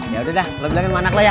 ya udah dah lo bilangin sama anak lo ya